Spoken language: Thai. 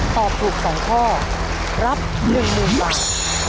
ตอบถูก๒ข้อรับ๑๐๐๐บาท